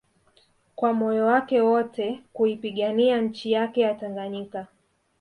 kwa moyo wake wote kuipigania nchi yake ya Tanganyika